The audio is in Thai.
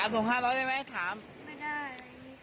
ส่ง๕๐๐ได้ไหมถามไม่ได้